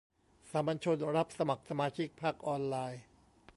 สามัญชน รับสมัครสมาชิกพรรคออนไลน์